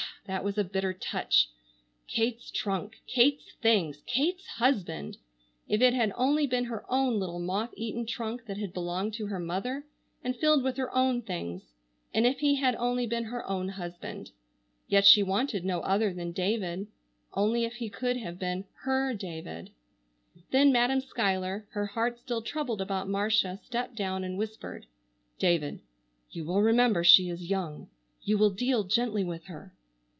That was a bitter touch! Kate's trunk! Kate's things! Kate's husband! If it had only been her own little moth eaten trunk that had belonged to her mother, and filled with her own things—and if he had only been her own husband! Yet she wanted no other than David—only if he could have been her David! Then Madam Schuyler, her heart still troubled about Marcia, stepped down and whispered: "David, you will remember she is young. You will deal gently with her?"